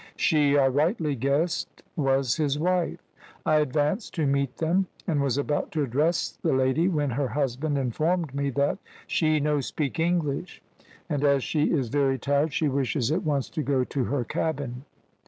She, I rightly guessed, was his wife. I advanced to meet them, and was about to address the lady, when her husband informed me that `She no speak English and, as she is very tired, she wishes at once to go to her cabin.'